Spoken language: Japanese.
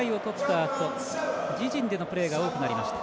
あと自陣でのプレーが多くなりました。